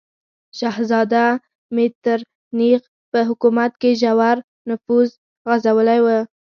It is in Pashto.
شهزاده میترنیخ په حکومت کې ژور نفوذ غځولی و.